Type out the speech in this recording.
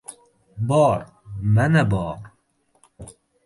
— Bor, mana, bor!